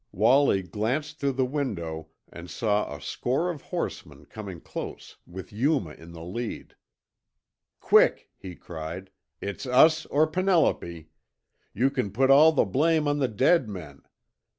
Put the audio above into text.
Wallie glanced through the window and saw a score of horsemen coming close with Yuma in the lead. "Quick," he cried. "It's us or Penelope! You can put all the blame on the dead men!